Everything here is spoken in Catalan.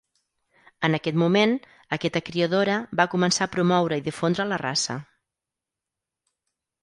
En aquest moment, aquesta criadora va començar a promoure i difondre la raça.